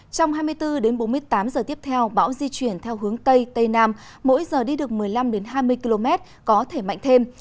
trong hai mươi bốn đến bốn mươi tám giờ tiếp theo bão di chuyển theo hướng tây tây nam mỗi giờ đi được một mươi năm hai mươi km có thể mạnh thêm